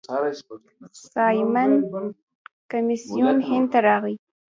سایمن کمیسیون هند ته راغی.